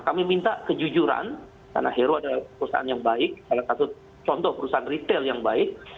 kami minta kejujuran karena hero adalah perusahaan yang baik salah satu contoh perusahaan retail yang baik